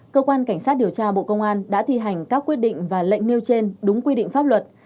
cơ quan cảnh sát điều tra bộ công an đã thi hành các quyết định và lệnh nêu trên đúng quy định pháp luật